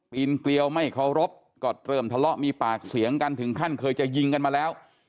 นเกลียวไม่เคารพก็เริ่มทะเลาะมีปากเสียงกันถึงขั้นเคยจะยิงกันมาแล้ว